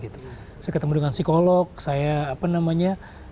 saya ketemu dengan psikolog saya apa namanya